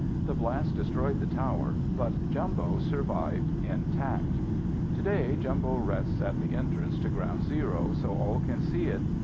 The blast destroyed the tower, but Jumbo survived intact. Today Jumbo rests at the entrance to ground zero so all can see it.